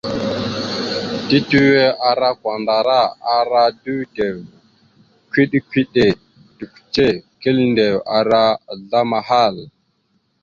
Tetʉwe ara kwandara, ara dʉdew, kʉɗe-kʉɗe, dʉkʉce, kʉlindzek, ara azzlam ahal.